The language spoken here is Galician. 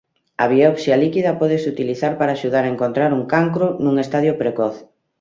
A biopsia líquida pódese utilizar para axudar a encontrar un cancro nun estadio precoz.